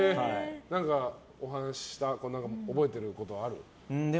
お話しした覚えてることある？